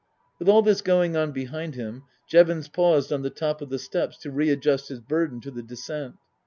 With all this going on behind him Jevons paused on the top of the steps to readjust his burden to the descent.